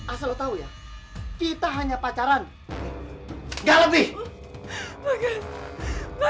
asal lo tau ya kita hanya pake dukun yang paling baik